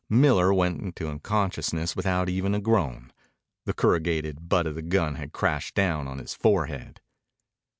Miller went into unconsciousness without even a groan. The corrugated butt of the gun had crashed down on his forehead.